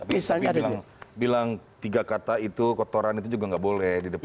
tapi bilang tiga kata itu kotoran itu juga nggak boleh di depan